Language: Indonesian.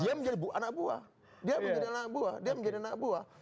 dia menjadi anak buah dia menjadi anak buah dia menjadi anak buah